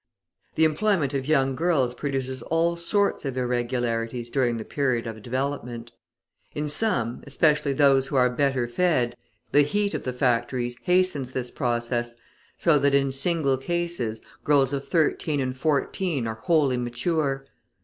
The employment of young girls produces all sorts of irregularities during the period of development. In some, especially those who are better fed, the heat of the factories hastens this process, so that in single cases, girls of thirteen and fourteen are wholly mature.